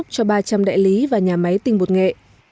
cấp thức ăn ra súc cho ba trăm linh đại lý và nhà máy tinh bột nghệ